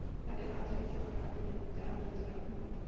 তাদের কাজে সরকার বাধা দিলে যারা অনুদান দিচ্ছে, তারা ক্ষুণ্ন হবে।